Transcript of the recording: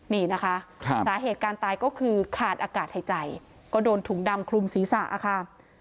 นี่นะคะสาเหตุการตายก็คือขาดอากาศหายใจก็โดนถุงดำคลุมศีรษะค่ะ